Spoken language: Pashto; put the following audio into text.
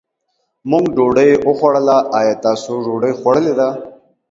مونږ ډوډۍ وخوړله، ايا تاسو ډوډۍ خوړلې ده؟